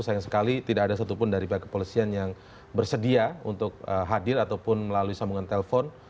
sayang sekali tidak ada satupun dari pihak kepolisian yang bersedia untuk hadir ataupun melalui sambungan telpon